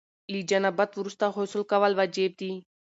له جنابت وروسته غسل کول واجب دي.